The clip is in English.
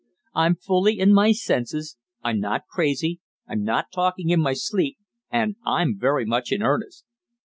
I'm fully in my senses, I'm not crazy, I'm not talking in my sleep, and I'm very much in earnest.